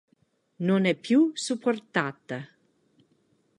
Non è più supportata.